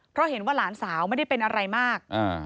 เพราะเห็นว่าหลานสาวไม่ได้เป็นอะไรมาก